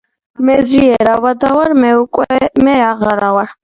მე ძლიერ ავად ვარ, მე უკვე მე აღარა ვარ.